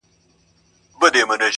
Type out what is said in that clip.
ځو به چي د شمعي پر لار تلل زده کړو!